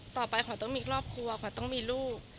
ต่อไปขวัญต้องมีครอบครัวขวัญต้องมีลูก